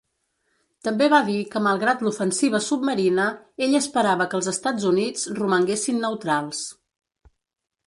També va dir que malgrat l'ofensiva submarina, ell esperava que els Estats Units romanguessin neutrals.